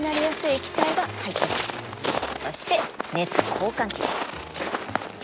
そして熱交換器です。